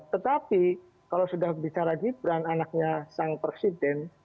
tetapi kalau sudah bicara gibran anaknya sang presiden